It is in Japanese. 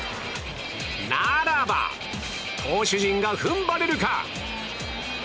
ならば投手陣が踏ん張れるか。